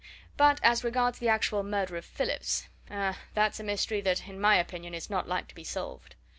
But as regards the actual murder of Phillips ah, that's a mystery that, in my opinion, is not like to be solved!